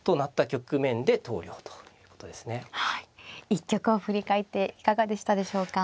一局を振り返っていかがでしたでしょうか。